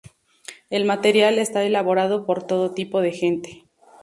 El material está elaborado por todo tipo de gente.